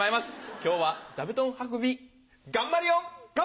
今日は座布団運び頑張るよん！